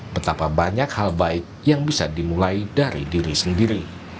betapa banyak hal baik yang bisa dimulai dari diri sendiri